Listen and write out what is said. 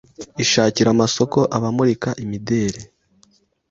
ishakira amasoko abamurika imideri